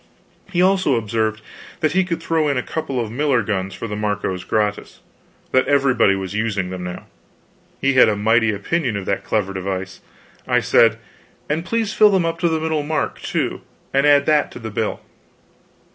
He also observed that he would throw in a couple of miller guns for the Marcos gratis that everybody was using them now. He had a mighty opinion of that clever device. I said: "And please fill them up to the middle mark, too; and add that to the bill."